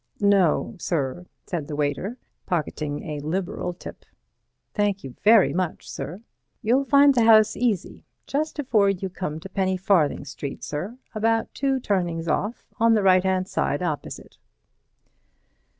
"No, sir," said the waiter, pocketing a liberal tip. "Thank you very much, sir. You'll find the house easy. Just afore you come to Penny farthing Street, sir, about two turnings off, on the right hand side opposite."